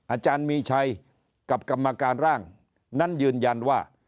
อาจารย์มีชัยกับกรรมการร่างนั้นยืนยันว่า